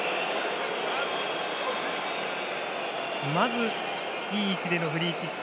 まず、いい位置でのフリーキック。